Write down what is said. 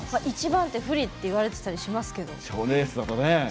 １番手が不利って言われてたりしますけど。